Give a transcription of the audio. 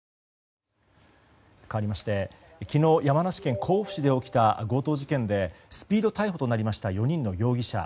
かわりまして昨日、山梨県甲府市で起きました強盗事件でスピード逮捕となりました４人の容疑者。